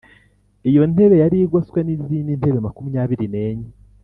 Iyo ntebe yari igoswe n’izindi ntebe makumyabiri n’enye.